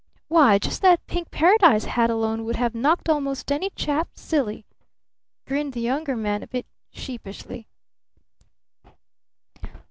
"Why, just that pink paradise hat alone would have knocked almost any chap silly," grinned the Younger Man a bit sheepishly.